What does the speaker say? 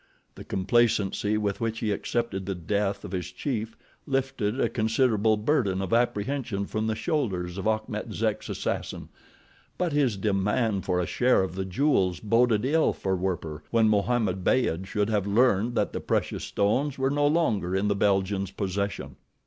The complacency with which he accepted the death of his chief lifted a considerable burden of apprehension from the shoulders of Achmet Zek's assassin; but his demand for a share of the jewels boded ill for Werper when Mohammed Beyd should have learned that the precious stones were no longer in the Belgian's possession.